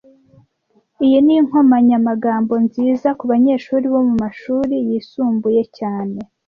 Iyi ni inkoranyamagambo nziza kubanyeshuri bo mumashuri yisumbuye cyane